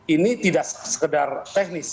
ini tidak sekedar teknis